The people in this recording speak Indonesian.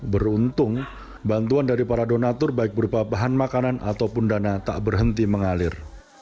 beruntung bantuan dari para donatur baik berupa bahan makanan ataupun dana tak berhenti mengalir